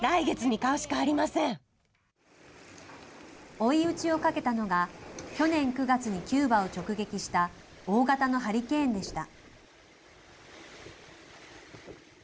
追い打ちをかけたのが、去年９月にキューバを直撃した大型のハリケーンでした。